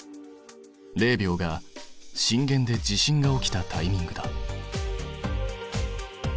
０秒が震源で地震が起きたタイミングだ。